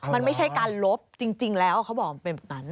มันไม่ใช่การลบจริงแล้วเขาบอกมันเป็นแบบนั้น